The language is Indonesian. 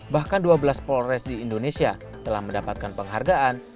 bahkan dua belas polres di indonesia telah mendapatkan penghargaan